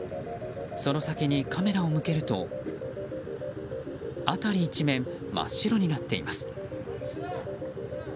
その先にカメラを向けると辺り一面、真っ白になっています。